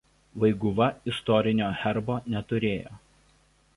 Vaiguva istorinio herbo neturėjo.